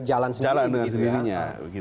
jalan sendiri jalan dengan sendirinya